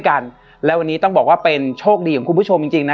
กันและวันนี้ต้องบอกว่าเป็นโชคดีของคุณผู้ชมจริงจริงนะ